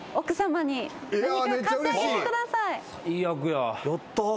やった。